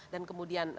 dan kemudian apa menter